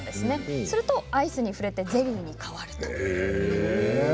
するとアイスに触れてゼリーに変わると。